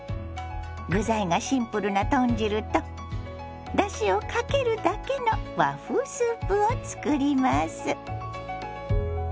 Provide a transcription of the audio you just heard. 具材がシンプルな豚汁とだしをかけるだけの和風スープを作ります。